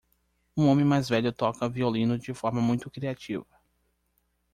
Um homem mais velho toca violino de forma muito criativa.